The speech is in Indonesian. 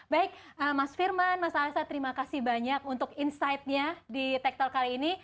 baik mas firman mas alisa terima kasih banyak untuk insightnya di tektel kali ini